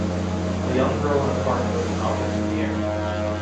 A young girl in a park throws an object in the air.